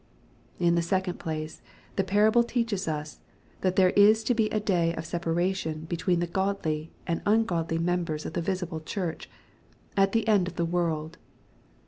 In the second place the parable teaches us, thai there is to be a day of separation between the godly and un* godlymembers of the visible Church, at the end cf the world.